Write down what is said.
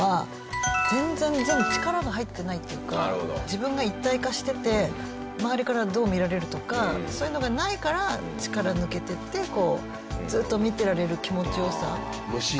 自分が一体化してて周りからどう見られるとかそういうのがないから力抜けてってこうずっと見てられる気持ちよさがある。